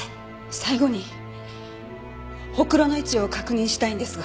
最後にほくろの位置を確認したいんですが。